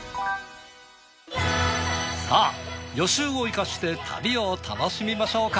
さあ予習を生かして旅を楽しみましょうか。